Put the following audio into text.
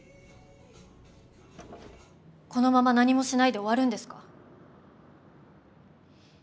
このまま何もしないで終わるんですか？